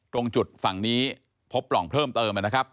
ตรงจุดฝั่งนี้พบปล่องเพิ่มเติมนะครับ